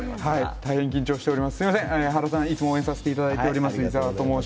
大変緊張しております、いつも応援させていただいています。